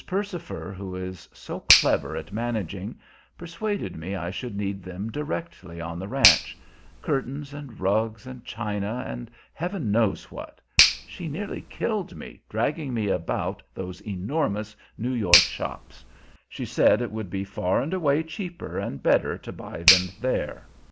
Percifer, who is so clever at managing, persuaded me I should need them directly on the ranch curtains and rugs and china, and heaven knows what! She nearly killed me, dragging me about those enormous New York shops. She said it would be far and away cheaper and better to buy them there.